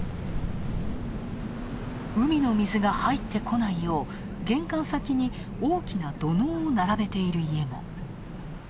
海の水が入ってこないよう、玄関先に大きな土のうを並べている家も。